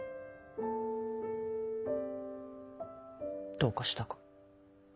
どうかしたか？